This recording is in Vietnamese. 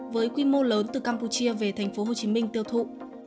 với quy mô lớn từ campuchia về tp hcm tiêu thụ